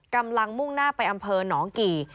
กำลังมุ่งหน้าไปอำเภอหนองกี่